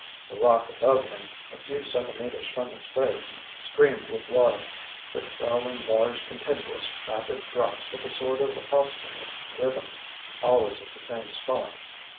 The rock above him, a few centimetres from his face, streamed with water, which fell in large continuous rapid drops with a sort of obstinate rhythm, always at the same spot.